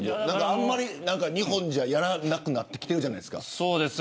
あんまり日本じゃやらなくなってきてるじゃないですか。